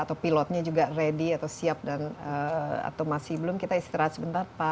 atau pilotnya juga ready atau siap dan atau masih belum kita istirahat sebentar pak